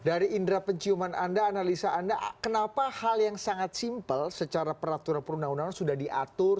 dari indera penciuman anda analisa anda kenapa hal yang sangat simpel secara peraturan perundang undangan sudah diatur